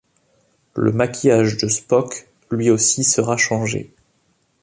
Le maquillage de Spock lui aussi sera changé.